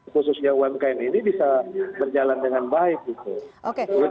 khususnya umkm ini bisa berjalan dengan baik gitu